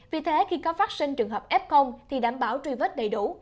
vì thế khi có phát sinh trường hợp f thì đảm bảo truy vết đầy đủ